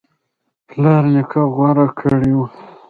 پلار نیکه غوره کړی و